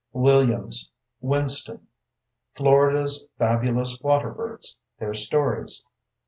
Williams, Winston. _Florida's Fabulous Waterbirds: Their Stories.